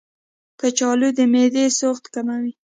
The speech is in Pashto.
کچالو د معدې سوخت کموي.